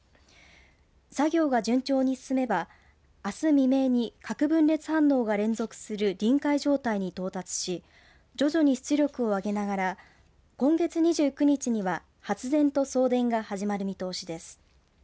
作業が順調に進めばあす未明に核分裂反応が連続する臨界状態に到達し徐々に出力を上げながら今月２９日には発電と送電が始まる見通しです。